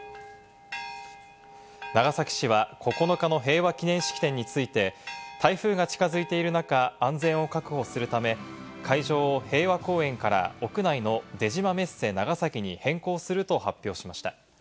長崎市は９日の平和祈念式典について、台風が近づいている中、安全を確保するため、会場を平和公園から屋内の出島メッセ長崎に変更すると発表しました。